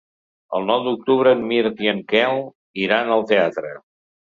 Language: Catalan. El nou d'octubre en Mirt i en Quel iran al teatre.